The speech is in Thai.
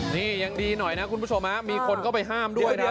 นี่ยังดีหน่อยนะคุณผู้ชมมีคนเข้าไปห้ามด้วยนะ